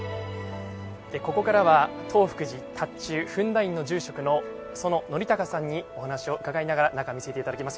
ここからは東福寺塔頭芬陀院の住職の爾法孝さんにお話を伺いながら中を見せていただきます。